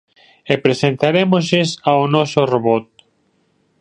E presentarémoslles ao noso robot.